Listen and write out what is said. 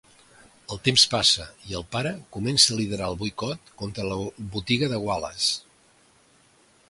El temps passa i el pare comença a liderar el boicot contra la botiga de Wallace.